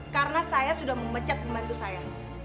karena saya sudah memecat pembantu saya